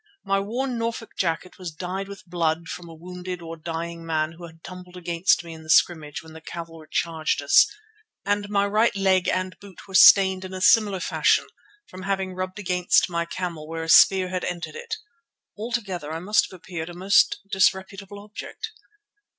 My worn Norfolk jacket was dyed with blood from a wounded or dying man who had tumbled against me in the scrimmage when the cavalry charged us, and my right leg and boot were stained in a similar fashion from having rubbed against my camel where a spear had entered it. Altogether I must have appeared a most disreputable object.